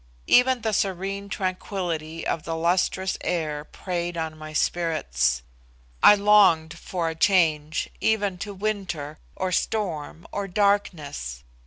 Even the serene tranquility of the lustrous air preyed on my spirits. I longed for a change, even to winter, or storm, or darkness.